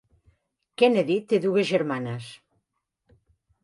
Kennedy té dues germanes.